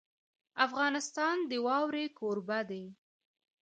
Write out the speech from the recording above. افغانستان د واوره کوربه دی.